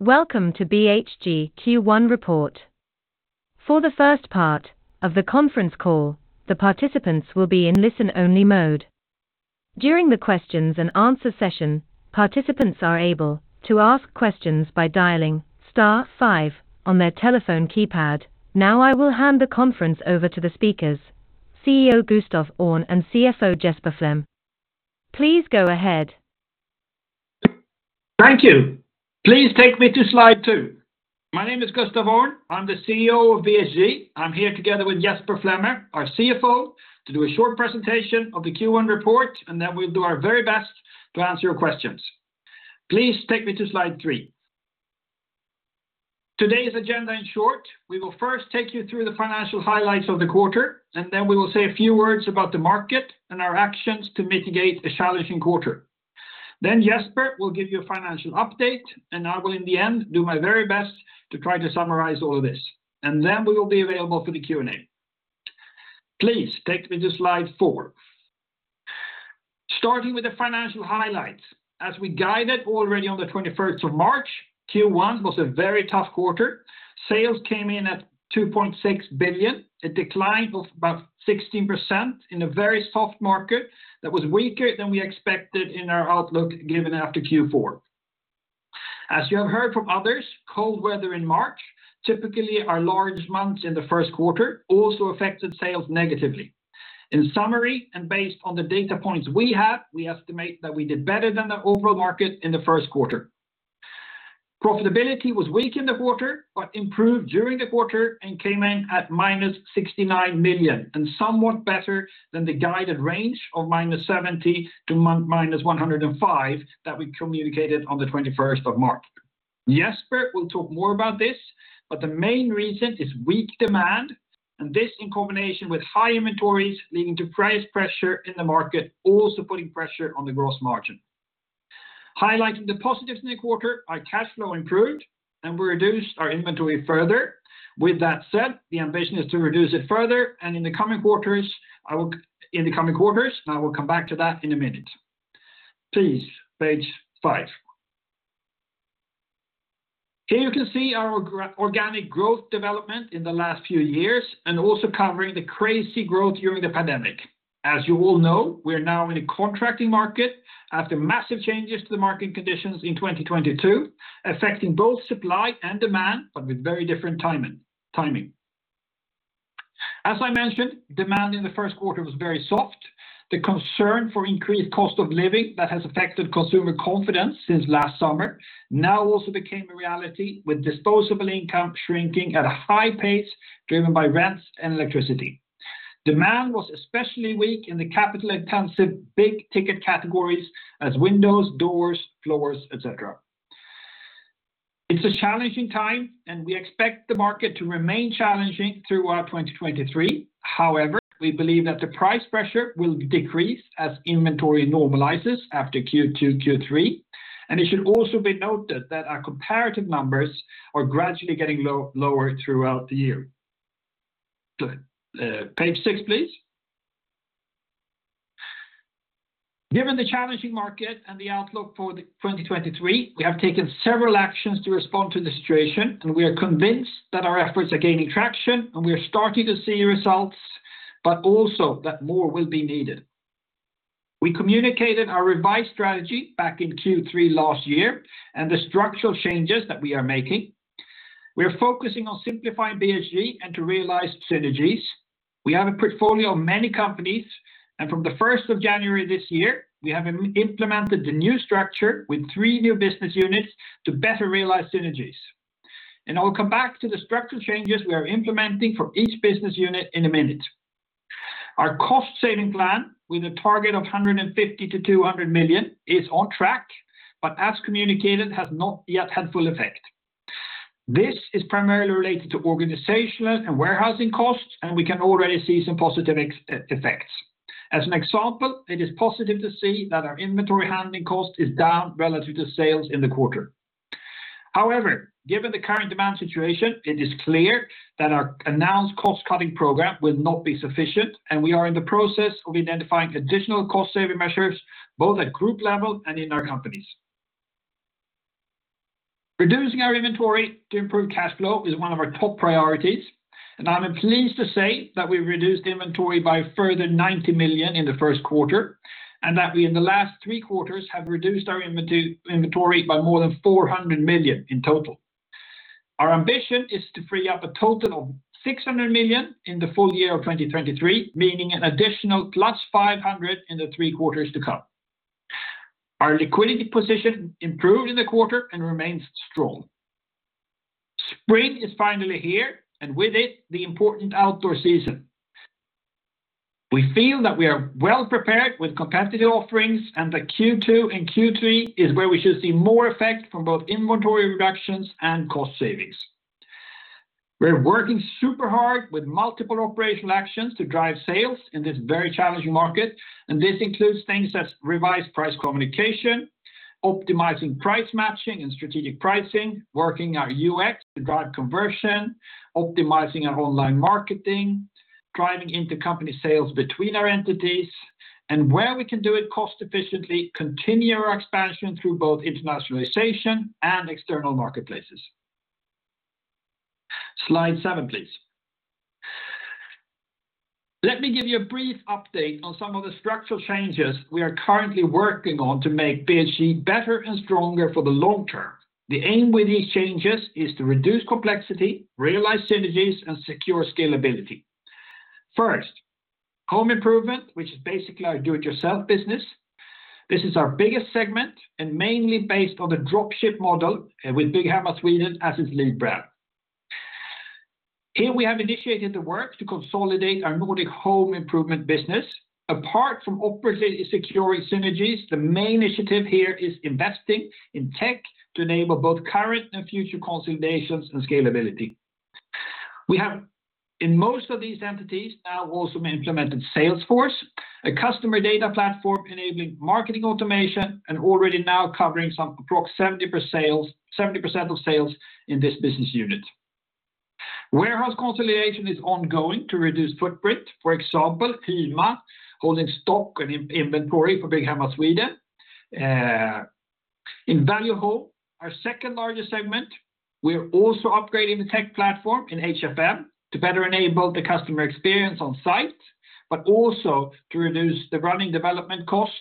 Welcome to BHG Q1 report. For the first part of the conference call, the participants will be in listen-only mode. During the questions-and answer-session, participants are able to ask questions by dialing star five on their telephone keypad. Now I will hand the conference over to the speakers, CEO Gustaf Öhrn and CFO Jesper Flemme. Please go ahead. Thank you. Please take me to slide two. My name is Gustaf Öhrn. I'm the CEO of BHG. I'm here together with Jesper Flemme, our CFO, to do a short presentation of the Q1 report, and then we'll do our very best to answer your questions. Please take me to slide three. Today's agenda in short, we will first take you through the financial highlights of the quarter, and then we will say a few words about the market and our actions to mitigate a challenging quarter. Jesper will give you a financial update, and I will in the end do my very best to try to summarize all of this, and then we will be available for the Q&A. Please take me to slide four. Starting with the financial highlights, as we guided already on the 21st of March, Q1 was a very tough quarter. Sales came in at 2.6 billion, a decline of about 16% in a very soft market that was weaker than we expected in our outlook given after Q4. As you have heard from others, cold weather in March, typically our large months in the first quarter also affected sales negatively. In summary, based on the data points we have, we estimate that we did better than the overall market in the first quarter. Profitability was weak in the quarter, improved during the quarter and came in at -69 million, and somewhat better than the guided range of -70 million to -105 million that we communicated on the 21st of March. Jesper will talk more about this, but the main reason is weak demand, and this in combination with high inventories leading to price pressure in the market, also putting pressure on the gross margin. Highlighting the positives in the quarter, our cash flow improved and we reduced our inventory further. With that said, the ambition is to reduce it further, and in the coming quarters, I will come back to that in a minute. Please, page five. Here you can see our organic growth development in the last few years and also covering the crazy growth during the pandemic. As you all know, we are now in a contracting market after massive changes to the market conditions in 2022, affecting both supply and demand, but with very different timing. As I mentioned, demand in the first quarter was very soft. The concern for increased cost of living that has affected consumer confidence since last summer now also became a reality with disposable income shrinking at a high pace driven by rents and electricity. Demand was especially weak in the capital-intensive big-ticket categories as windows, doors, floors, et cetera. It's a challenging time, and we expect the market to remain challenging throughout 2023. However, we believe that the price pressure will decrease as inventory normalizes after Q2, Q3. It should also be noted that our comparative numbers are gradually getting lower throughout the year. Good. Page six, please. Given the challenging market and the outlook for 2023, we have taken several actions to respond to the situation, and we are convinced that our efforts are gaining traction, and we are starting to see results, but also that more will be needed. We communicated our revised strategy back in Q3 last year and the structural changes that we are making. We are focusing on simplifying BHG and to realize synergies. We have a portfolio of many companies, and from the 1st of January this year, we have implemented the new structure with three new business units to better realize synergies. I will come back to the structural changes we are implementing for each business unit in a minute. Our cost-saving plan with a target of 150 million-200 million is on track, but as communicated, has not yet had full effect. This is primarily related to organizational and warehousing costs, and we can already see some positive effects. As an example, it is positive to see that our inventory handling cost is down relative to sales in the quarter. Given the current demand situation, it is clear that our announced cost-cutting program will not be sufficient, and we are in the process of identifying additional cost-saving measures, both at group level and in our companies. Reducing our inventory to improve cash flow is one of our top priorities, and I'm pleased to say that we've reduced inventory by a further 90 million in the first quarter, and that we in the last three quarters have reduced our inventory by more than 400 million in total. Our ambition is to free up a total of 600 million in the full year of 2023, meaning an additional +500 million in the three quarters to come. Our liquidity position improved in the quarter and remains strong. Spring is finally here, and with it, the important outdoor season. We feel that we are well-prepared with competitive offerings. The Q2 and Q3 is where we should see more effect from both inventory reductions and cost savings. We're working super hard with multiple operational actions to drive sales in this very challenging market. This includes things as revised price communication, optimizing price matching and strategic pricing, working our UX to drive conversion, optimizing our online marketing, driving intercompany sales between our entities. Where we can do it cost efficiently, continue our expansion through both internationalization and external marketplaces. Slide seven, please. Let me give you a brief update on some of the structural changes we are currently working on to make BHG better and stronger for the long term. The aim with these changes is to reduce complexity, realize synergies, and secure scalability. First, Home Improvement, which is basically our do it yourself business. This is our biggest segment and mainly based on the drop ship model with bygghemma.se as its lead brand. Here we have initiated the work to consolidate our Nordic Home Improvement business. Apart from operating security synergies, the main initiative here is investing in tech to enable both current and future consolidations and scalability. We have, in most of these entities, now also implemented Salesforce, a customer data platform enabling marketing automation and already now covering some approx 70% of sales in this business unit. Warehouse consolidation is ongoing to reduce footprint. For example, Hemma, holding stock and in-inventory for bygghemma.se. In Value Home, our second largest segment, we are also upgrading the tech platform in HFM to better enable the customer experience on site, but also to reduce the running development cost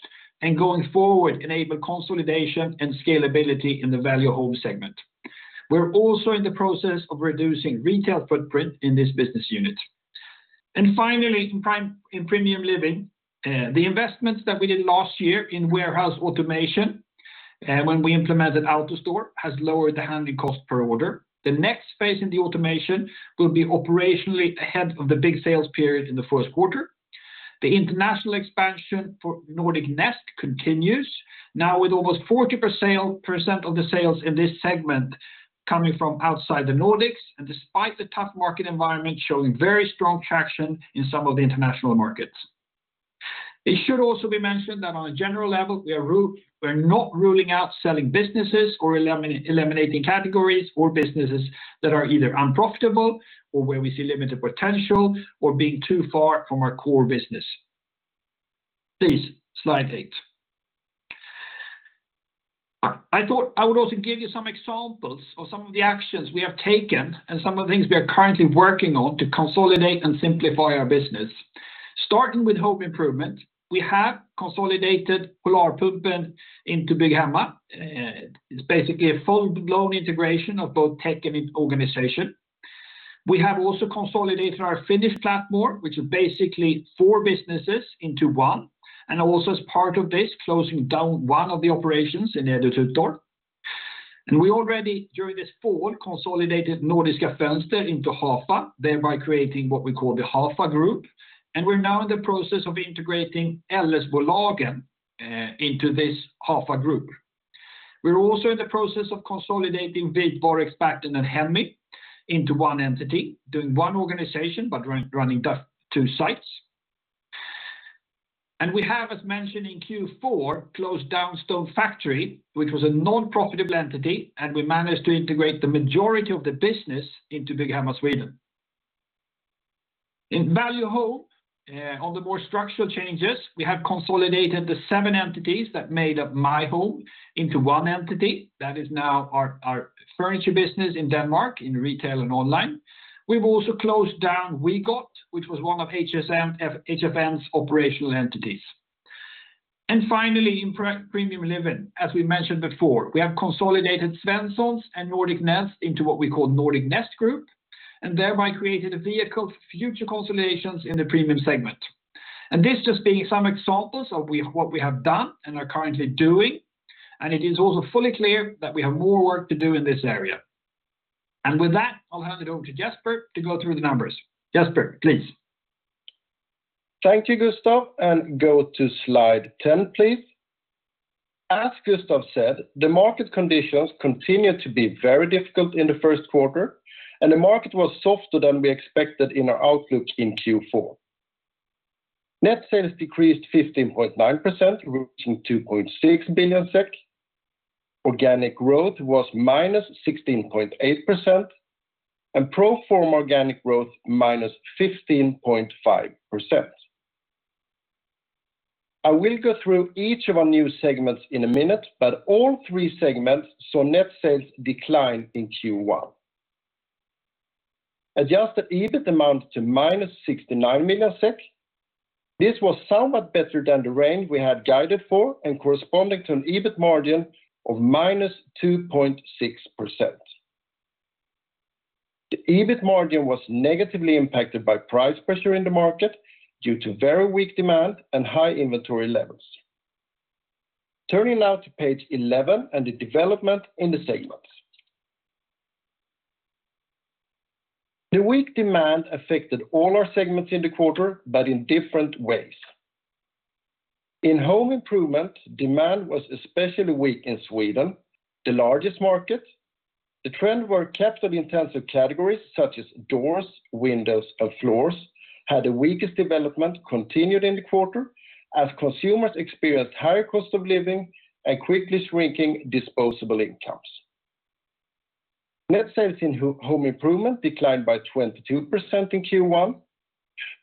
and going forward, enable consolidation and scalability in the Value Home segment. We're also in the process of reducing retail footprint in this business unit. Finally, in Premium Living, the investments that we did last year in warehouse automation, when we implemented AutoStore, has lowered the handling cost per order. The next phase in the automation will be operationally ahead of the big sales period in the first quarter. The international expansion for NORDIC NEST continues, now with almost 40% of the sales in this segment coming from outside the Nordics, and despite the tough market environment, showing very strong traction in some of the international markets. It should also be mentioned that on a general level, we're not ruling out selling businesses or eliminating categories or businesses that are either unprofitable or where we see limited potential or being too far from our core business. Please, slide eight. I thought I would also give you some examples of some of the actions we have taken and some of the things we are currently working on to consolidate and simplify our business. Starting with Home Improvement, we have consolidated POLARPUMPEN into bygghemma.se. It's basically a full-blown integration of both tech and organization. We have also consolidated our Finnish platform, which is basically four businesses into one, and also as part of this, closing down one of the operations in Edututor. We already, during this fall, consolidated Nordiska Fönster into Hafa, thereby creating what we call the Hafa Group. We're now in the process of integrating Elas Bolagen into this Hafa Brand Group. We're also in the process of consolidating Vitvaruexperten, and Hemmy into one entity, doing one organization, but running the two sites. We have, as mentioned in Q4, closed down Stone Factory, which was a non-profitable entity, and we managed to integrate the majority of the business into bygghemma.se. In Value Home, on the more structural changes, we have consolidated the seven entities that made up My Home into one entity. That is now our furniture business in Denmark in retail and online. We've also closed down WeGot, which was one of HFM's operational entities. Finally, in Premium Living, as we mentioned before, we have consolidated Svenssons and NORDIC NEST into what we call NORDIC NEST Group, and thereby created a vehicle for future consolidations in the premium segment. This just being some examples of what we have done and are currently doing, and it is also fully clear that we have more work to do in this area. With that, I'll hand it over to Jesper to go through the numbers. Jesper, please. Thank you, Gustaf. Go to slide 10, please. As Gustaf said, the market conditions continued to be very difficult in the first quarter, and the market was softer than we expected in our outlook in Q4. Net sales decreased 15.9%, reaching 2.6 billion SEK. Organic growth was -16.8%, and pro-forma organic growth -15.5%. I will go through each of our new segments in a minute, all three segments saw net sales decline in Q1. Adjusted EBIT amounted to -69 million SEK. This was somewhat better than the range we had guided for and corresponding to an EBIT margin of -2.6%. The EBIT margin was negatively impacted by price pressure in the market due to very weak demand and high inventory levels. Turning now to page 11 and the development in the segments. The weak demand affected all our segments in the quarter, but in different ways. In Home Improvement, demand was especially weak in Sweden, the largest market. The trend where capital-intensive categories, such as doors, windows, and floors, had the weakest development continued in the quarter as consumers experienced higher cost of living and quickly shrinking disposable incomes. Net sales in Home Improvement declined by 22% in Q1.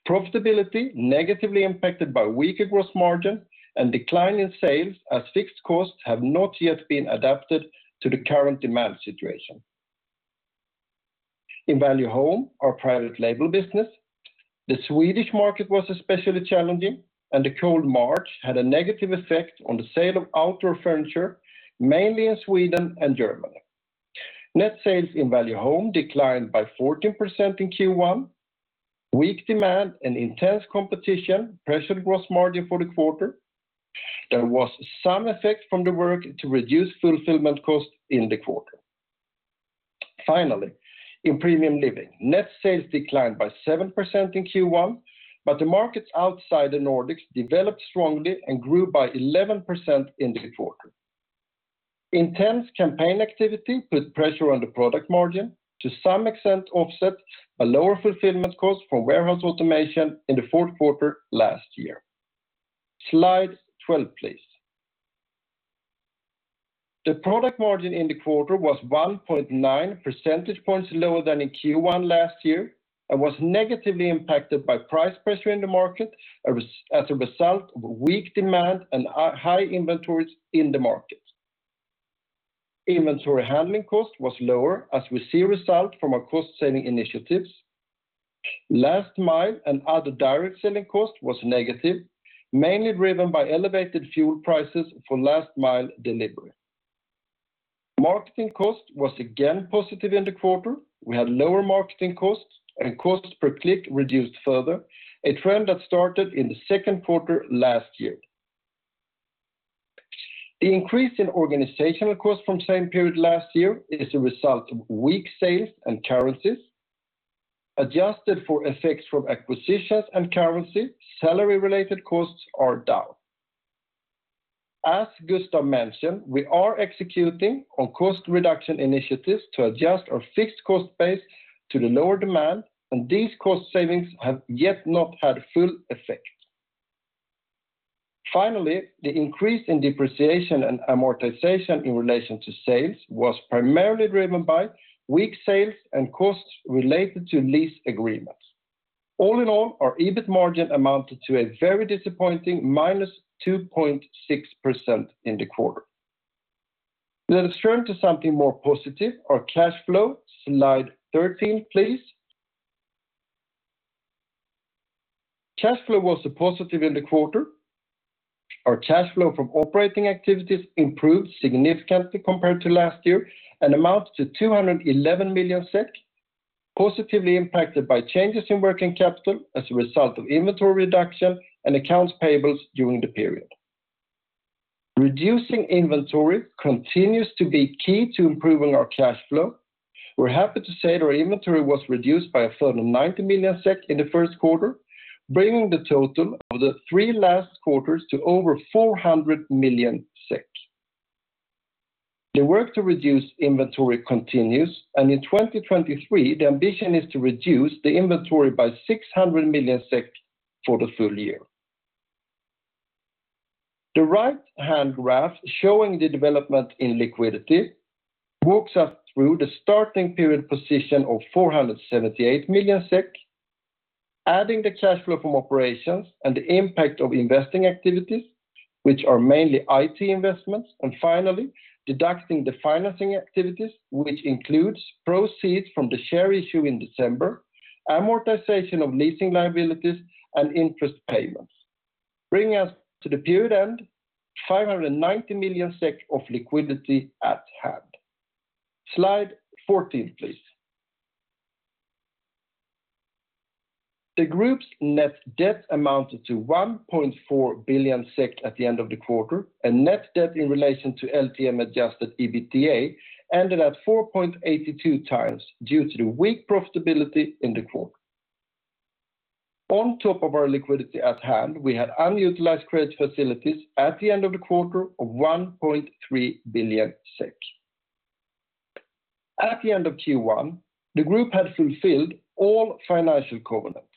Profitability negatively impacted by weaker gross margin and decline in sales as fixed costs have not yet been adapted to the current demand situation. In Value Home, our private label business, the Swedish market was especially challenging, and the cold March had a negative effect on the sale of outdoor furniture, mainly in Sweden and Germany. Net sales in Value Home declined by 14% in Q1. Weak demand and intense competition pressured gross margin for the quarter. There was some effect from the work to reduce fulfillment costs in the quarter. Finally, in Premium Living, net sales declined by 7% in Q1, but the markets outside the Nordics developed strongly and grew by 11% in the quarter. Intense campaign activity put pressure on the product margin to some extent offset a lower fulfillment cost from warehouse automation in Q4 last year. Slide 12, please. The product margin in the quarter was 1.9 percentage points lower than in Q1 last year and was negatively impacted by price pressure in the market as a result of weak demand and high inventories in the market. Inventory handling cost was lower as we see result from our cost-saving initiatives. Last mile and other direct selling costs was negative, mainly driven by elevated fuel prices for last mile delivery. Marketing cost was again positive in the quarter. We had lower marketing costs and cost per click reduced further, a trend that started in the second quarter last year. The increase in organizational costs from same period last year is a result of weak sales and currencies. Adjusted for effects from acquisitions and currency, salary-related costs are down. As Gustaf mentioned, we are executing on cost reduction initiatives to adjust our fixed cost base to the lower demand, these cost savings have yet not had full effect. Finally, the increase in depreciation and amortization in relation to sales was primarily driven by weak sales and costs related to lease agreements. All in all, our EBIT margin amounted to a very disappointing -2.6% in the quarter. Let us turn to something more positive, our cash flow. Slide 13, please. Cash flow was positive in the quarter. Our cash flow from operating activities improved significantly compared to last year and amounts to 211 million, positively impacted by changes in working capital as a result of inventory reduction and accounts payables during the period. Reducing inventory continues to be key to improving our cash flow. We're happy to say that our inventory was reduced by a further 90 million SEK in the first quarter, bringing the total of the three last quarters to over 400 million SEK. The work to reduce inventory continues. In 2023, the ambition is to reduce the inventory by 600 million SEK for the full year. The right hand graph showing the development in liquidity walks us through the starting period position of 478 million SEK, adding the cash flow from operations and the impact of investing activities, which are mainly IT investments. Finally deducting the financing activities, which includes proceeds from the share issue in December, amortization of leasing liabilities, and interest payments, bringing us to the period end 590 million SEK of liquidity at hand. Slide 14, please. The group's net debt amounted to 1.4 billion SEK at the end of the quarter, and net debt in relation to LTM-adjusted EBITDA ended at 4.82x due to the weak profitability in the quarter. On top of our liquidity at hand, we had unutilized credit facilities at the end of the quarter of 1.3 billion SEK. At the end of Q1, the group had fulfilled all financial covenants.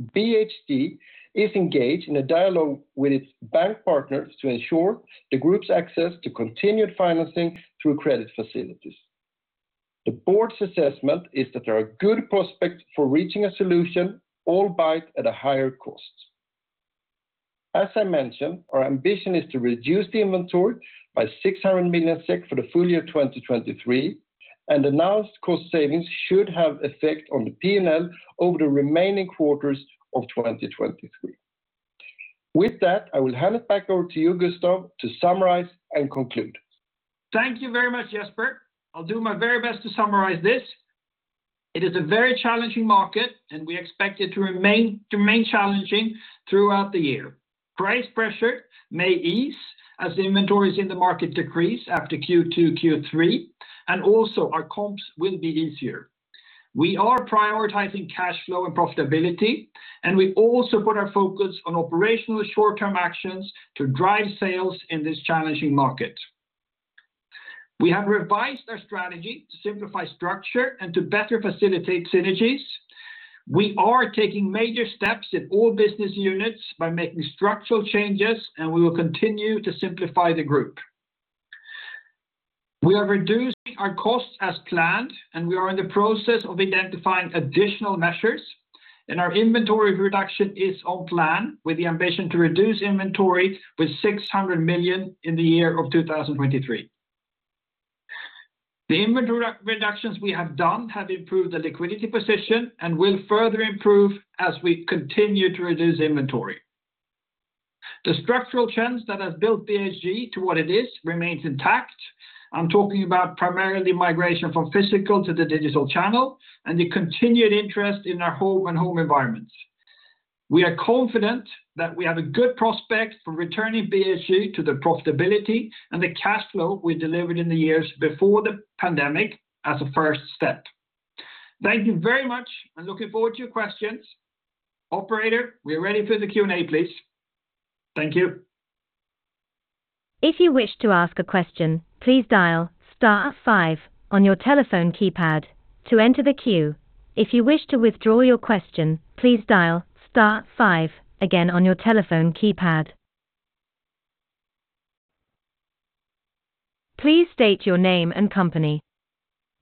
BHG is engaged in a dialogue with its bank partners to ensure the group's access to continued financing through credit facilities. The board's assessment is that there are good prospects for reaching a solution, albeit at a higher cost. As I mentioned, our ambition is to reduce the inventory by 600 million SEK for the full year 2023. Announced cost savings should have effect on the P&L over the remaining quarters of 2023. With that, I will hand it back over to you, Gustaf, to summarize and conclude. Thank you very much, Jesper. I'll do my very best to summarize this. It is a very challenging market, and we expect it to remain challenging throughout the year. Price pressure may ease as the inventories in the market decrease after Q2, Q3, and also our comps will be easier. We are prioritizing cash flow and profitability, and we also put our focus on operational short-term actions to drive sales in this challenging market. We have revised our strategy to simplify structure and to better facilitate synergies. We are taking major steps in all business units by making structural changes, and we will continue to simplify the group. We are reducing our costs as planned, and we are in the process of identifying additional measures, and our inventory reduction is on plan with the ambition to reduce inventory with 600 million in the year of 2023. The inventory re-reductions we have done have improved the liquidity position and will further improve as we continue to reduce inventory. The structural change that has built BHG to what it is remains intact. I'm talking about primarily migration from physical to the digital channel and the continued interest in our home and home environments. We are confident that we have a good prospect for returning BHG to the profitability and the cash flow we delivered in the years before the pandemic as a first step. Thank you very much. I'm looking forward to your questions. Operator, we are ready for the Q&A, please. Thank you. If you wish to ask a question, please dial star five on your telephone keypad to enter the queue. If you wish to withdraw your question, please dial star five again on your telephone keypad. Please state your name and company.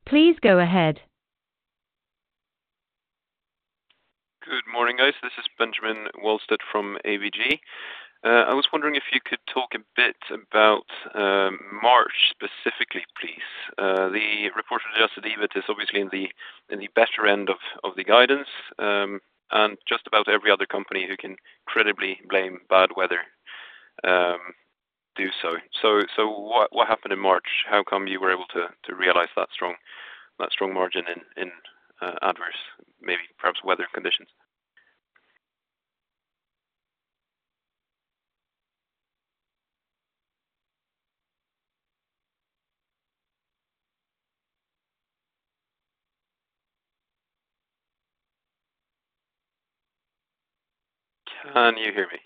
Please go ahead. Good morning, guys. This is Benjamin Wahlstedt from ABG. I was wondering if you could talk a bit about March specifically, please. The reported adjusted EBIT is obviously in the better end of the guidance, and just about every other company who can credibly blame bad weather do so. What happened in March? How come you were able to realize that strong margin in adverse maybe perhaps weather conditions? Can you hear me?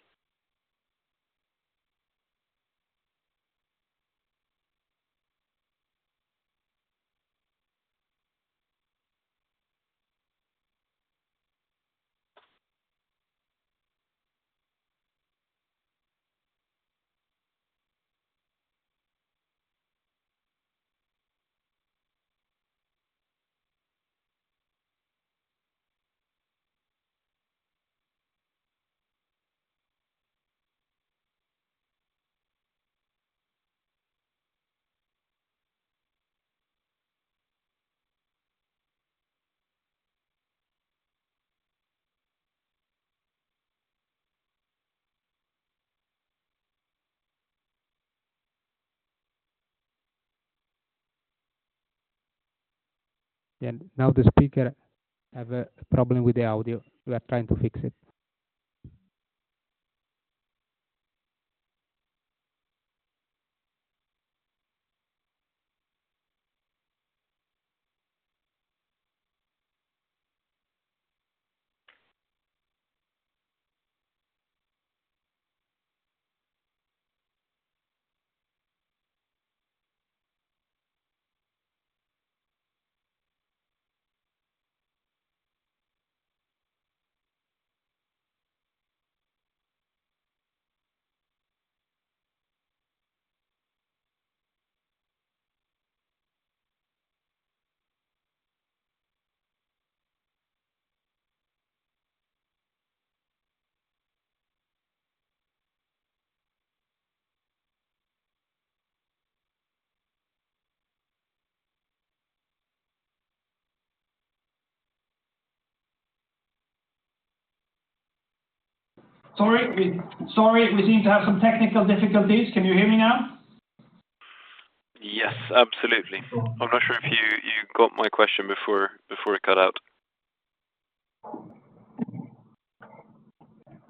Yeah. Now the speaker have a problem with the audio. We are trying to fix it. Sorry, we seem to have some technical difficulties. Can you hear me now? Yes, absolutely. I'm not sure if you got my question before it cut out.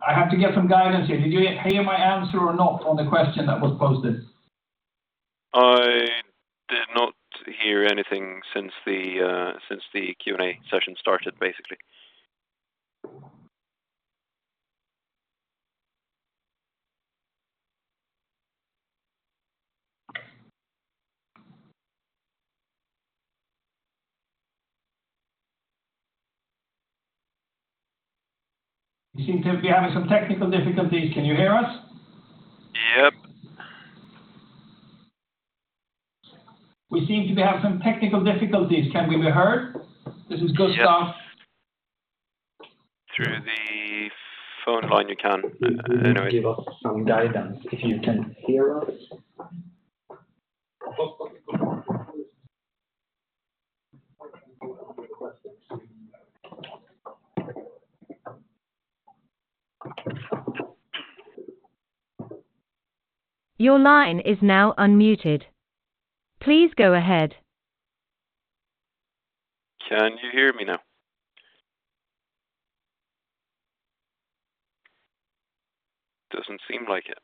I have to get some guidance here. Did you hear my answer or not on the question that was posted? I did not hear anything since the, since the Q&A session started, basically. We seem to be having some technical difficulties. Can you hear us? Yep. We seem to be having some technical difficulties. Can we be heard? This is Gustaf. Yes. Through the phone line, you can. Give us some guidance if you can hear us. Your line is now unmuted. Please go ahead. Can you hear me now? Doesn't seem like it.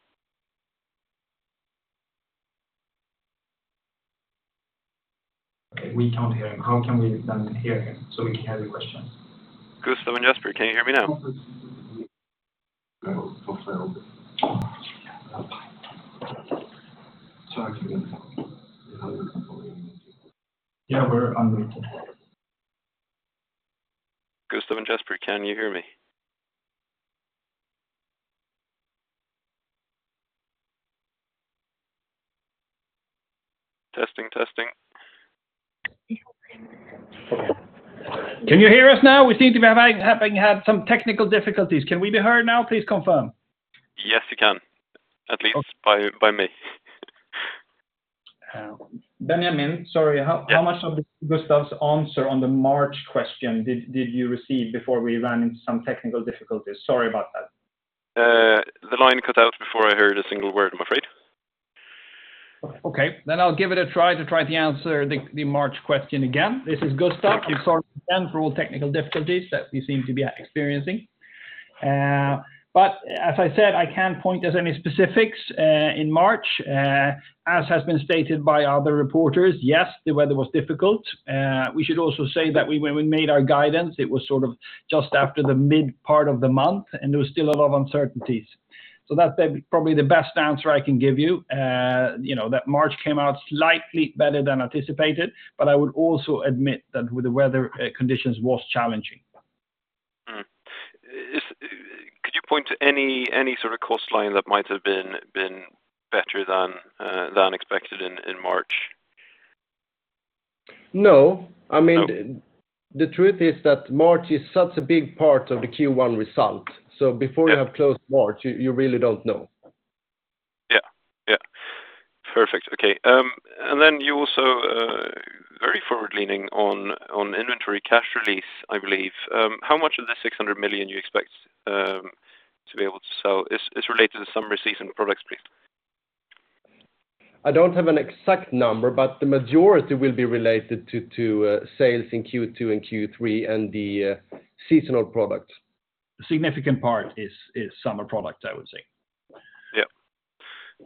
Okay. We can't hear him. How can we then hear him so we can hear the question? Gustaf and Jesper, can you hear me now? No, for sale. Yeah, we're unmuted. Gustaf and Jesper, can you hear me? Testing. Can you hear us now? We seem to be having had some technical difficulties. Can we be heard now? Please confirm. Yes, you can. At least by me. Benjamin, sorry. How much of Gustaf Öhrn's answer on the March question did you receive before we ran into some technical difficulties? Sorry about that. The line cut out before I heard a single word, I'm afraid. Okay. I'll give it a try to answer the March question again. This is Gustaf. I'm sorry again for all technical difficulties that we seem to be experiencing. As I said, I can't point as any specifics in March. As has been stated by other reporters, yes, the weather was difficult. We should also say that when we made our guidance, it was sort of just after the mid part of the month, there was still a lot of uncertainties. That's probably the best answer I can give you. You know that March came out slightly better than anticipated, I would also admit that with the weather, conditions was challenging. Could you point to any sort of cost line that might have been better than expected in March? No. I mean- No. The truth is that March is such a big part of the Q1 result. Yeah. You have closed March, you really don't know. Yeah. Yeah. Perfect. Okay. Then you also very forward leaning on inventory cash release, I believe. How much of the 600 million you expect to be able to sell is related to the summer season products, please? I don't have an exact number, the majority will be related to sales in Q2 and Q3 and the seasonal products. A significant part is summer products, I would say. Yeah.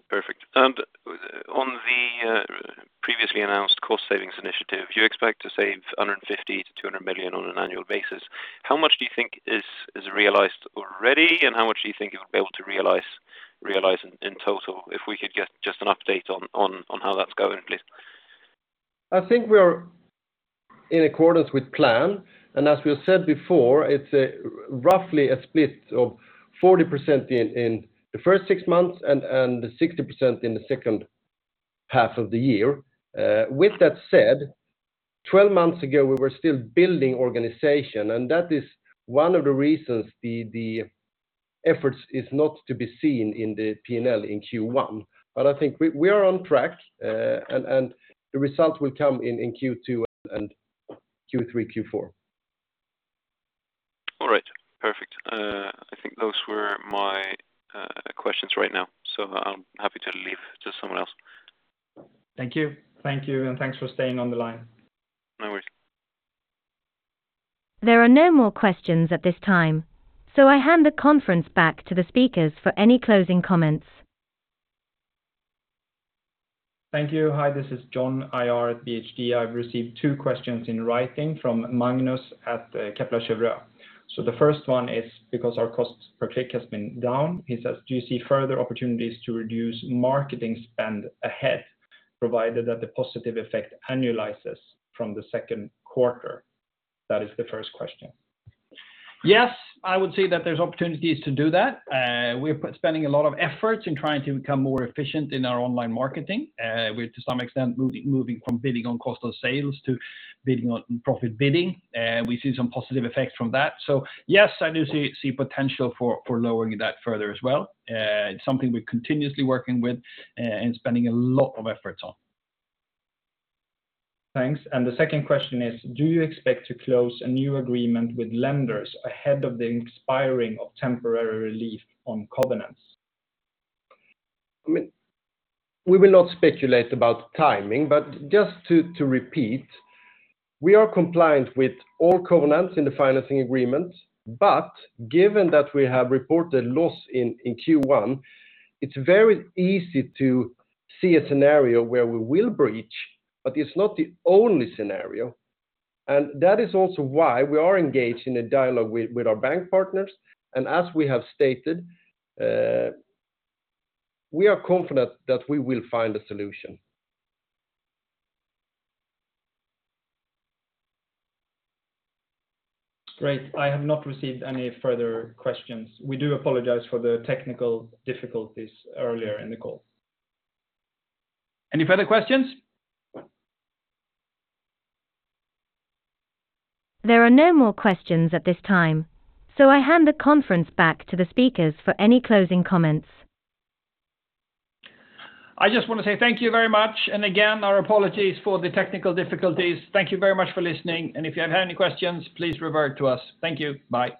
Perfect. On the previously announced cost savings initiative, you expect to save 150 million-200 million on an annual basis. How much do you think is realized already, and how much do you think you'll be able to realize in total? If we could get just an update on how that's going, please. I think we are in accordance with plan, as we have said before, it's a roughly a split of 40% in the first six months and 60% in the second half of the year. With that said, 12 months ago, we were still building organization, and that is one of the reasons the efforts is not to be seen in the P&L in Q1. I think we are on track, and the results will come in Q2 and Q3, Q4. All right. Perfect. I think those were my questions right now, so I'm happy to leave to someone else. Thank you. Thank you, and thanks for staying on the line. No worries. There are no more questions at this time, so I hand the conference back to the speakers for any closing comments. Thank you. Hi, this is John, IR at BHG. I've received two questions in writing from Magnus at the Kepler Cheuvreux. The first one is because our cost per click has been down. He says, "Do you see further opportunities to reduce marketing spend ahead, provided that the positive effect annualizes from the second quarter?" That is the first question. Yes, I would say that there's opportunities to do that. We're spending a lot of efforts in trying to become more efficient in our online marketing. We're to some extent, moving from bidding on cost of sales to bidding on profit bidding, we see some positive effects from that. Yes, I do see potential for lowering that further as well. It's something we're continuously working with and spending a lot of efforts on. Thanks. The second question is, do you expect to close a new agreement with lenders ahead of the expiring of temporary relief on covenants? I mean. We will not speculate about timing, just to repeat, we are compliant with all covenants in the financing agreement. Given that we have reported loss in Q1, it's very easy to see a scenario where we will breach, but it's not the only scenario. That is also why we are engaged in a dialogue with our bank partners. As we have stated, we are confident that we will find a solution. Great. I have not received any further questions. We do apologize for the technical difficulties earlier in the call. Any further questions? There are no more questions at this time, so I hand the conference back to the speakers for any closing comments. I just wanna say thank you very much, and again, our apologies for the technical difficulties. Thank you very much for listening, and if you have had any questions, please revert to us. Thank you. Bye.